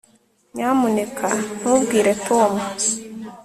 nyamuneka ntubwire tom